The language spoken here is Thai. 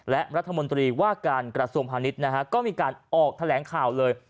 และรัฐมนตรีว่าการกระทรวงพาณิชย์นะฮะก็มีการออกแถลงข่าวเลย